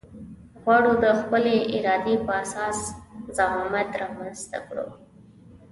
غواړو د خپلې ارادې په اساس زعامت رامنځته کړو.